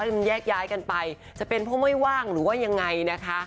มันแยกย้ายกันไปจะเป็นเพราะไม่ว่างหรือว่ายังไงนะคะ